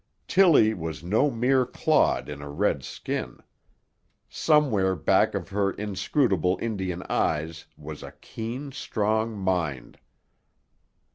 Tilly was no mere clod in a red skin. Somewhere back of her inscrutable Indian eyes was a keen, strong mind.